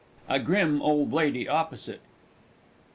"] A GRIM OLD LADY OPPOSITE.